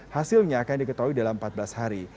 hasilnya akan diketahui dalam empat belas hari